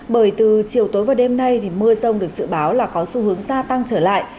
bởi từ chiều tối và đêm nay thì mưa rông được dự báo là có xu hướng gia tăng trở lại